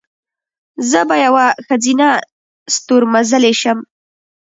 زه به یوه ښځینه ستورمزلې شم."